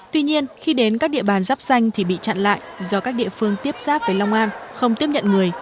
tuy nhiên khi đến các địa bàn dắp xanh thì bị chặn lại do các địa phương tiếp giáp với long an không tiếp nhận người